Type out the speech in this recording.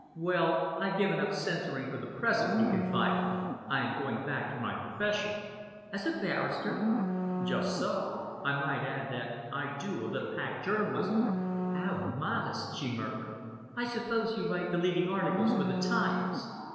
"Well, I've given up censoring for the present," he confided. "I am going back to my profession." "As a barrister?" "Just so. I might add that I do a little hack journalism." "How modest!" she murmured. "I suppose you write the leading articles for the Times!"